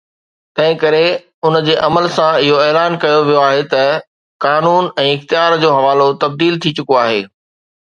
تنهن ڪري ان جي عمل سان اهو اعلان ڪيو ويو آهي ته قانون ۽ اختيار جو حوالو تبديل ٿي چڪو آهي